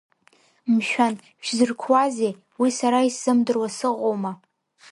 Мшәан, шәзырқәуазеи, уи сара исзымдыруа сыҟоума!